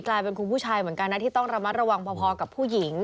กลายเป็นคุณผู้ชายเหมือนกันนะที่ต้องระมัดระวังพอกับผู้หญิง